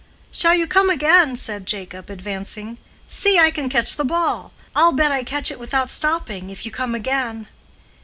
"Shall you come again?" said Jacob, advancing. "See, I can catch the ball; I'll bet I catch it without stopping, if you come again."